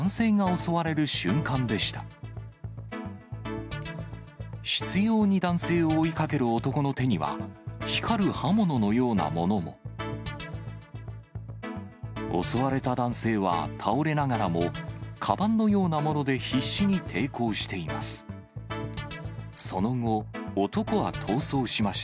襲われた男性は、倒れながらも、かばんのようなもので必死に抵抗しています。